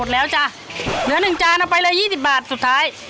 แล้วจ้ะเหลือ๑จานเอาไปเลย๒๐บาทสุดท้าย